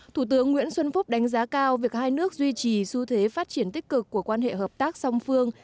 thủ tướng nguyễn xuân phúc đánh giá cao việc hai nước duy trì xu thế phát triển tích cực của quan hệ hợp tác song phương